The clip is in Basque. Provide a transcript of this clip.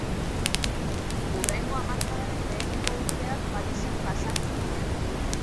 Hurrengo hamarkadaren lehenengo urteak Parisen pasa zituen.